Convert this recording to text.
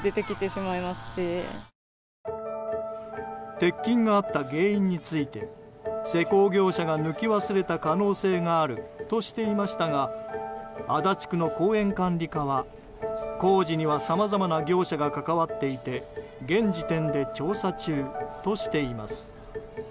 鉄筋があった原因について施工業者が抜き忘れた可能性があるとしていましたが足立区の公園管理課は工事にはさまざまな業者が関わっていて現時点で調査中としています。